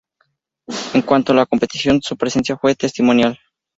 En cuanto a la competición, su presencia fue testimonial.